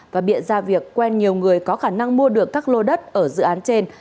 và biện ra việc quen nhiều người có khả năng mua được các lô đất ở dự án trên